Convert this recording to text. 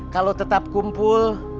kalau tetap kumpul